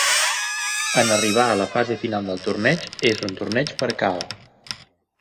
En arribar a la fase final del torneig, és un torneig per KO.